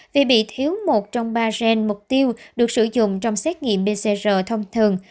vì bị thiếu một trong ba gen mục tiêu được sử dụng trong xét nghiệm pcr thông thường